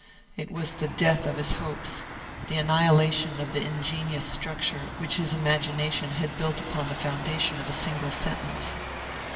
It was the death of his hopes, the annihilation of the ingenious structure which his imagination had built upon the foundation of a single sentence.